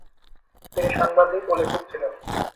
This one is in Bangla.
তিনি সাংবাদিক ও লেখক ছিলেন।